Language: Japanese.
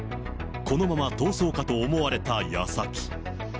このまま逃走かと思われたやさき。